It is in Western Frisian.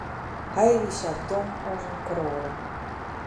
Hy wie sa dom as in kroade.